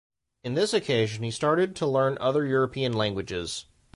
In this occasion he started to learn other European languages.